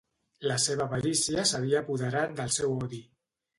La seva avarícia s'havia apoderat del seu odi.